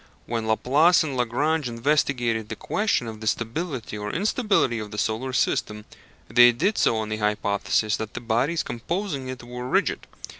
When Laplace and Lagrange investigated the question of the stability or instability of the solar system, they did so on the hypothesis that the bodies composing it were rigid.